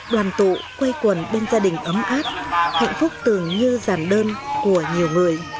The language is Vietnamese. đoàn tụ quay quần bên gia đình ấm áp hạnh phúc tưởng như giảm đơn của nhiều người